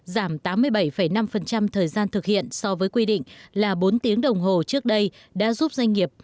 giảm tám mươi bảy năm thời gian thực hiện so với quy định là bốn tiếng đồng hồ trước đây đã giúp doanh nghiệp